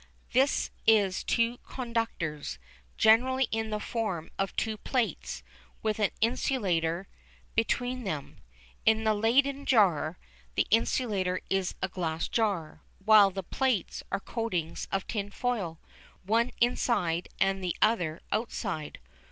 This is two conductors, generally in the form of two plates with an insulator between them. In the Leyden jar the insulator is a glass jar, while the "plates" are coatings of tinfoil, one inside and the other outside.